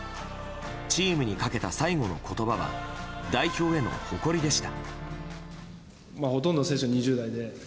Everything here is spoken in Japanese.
チームにかけた最後の言葉は代表への誇りでした。